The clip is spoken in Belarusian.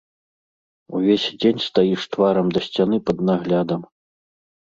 Увесь дзень стаіш тварам да сцяны пад наглядам.